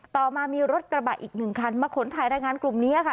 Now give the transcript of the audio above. ต่อมามีรถกระบะอีกหนึ่งคันมาขนถ่ายรายงานกลุ่มนี้ค่ะ